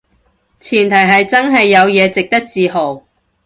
前提係真係有嘢值得自豪